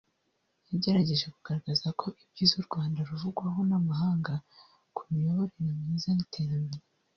yagerageje kugaragaza ko ibyiza u Rwanda ruvugwaho n’amahanga ku miyoborere myiza n’iterambere